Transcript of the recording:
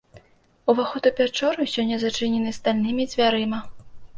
Уваход у пячору сёння зачынены стальнымі дзвярыма.